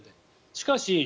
しかし、